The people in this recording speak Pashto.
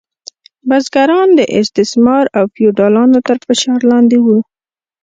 بزګران د استثمار او فیوډالانو تر فشار لاندې وو.